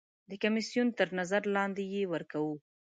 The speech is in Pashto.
د کمیسیون تر نظر لاندې یې ورکوو.